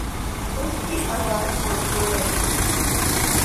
اس کی آواز کانپنے لگی۔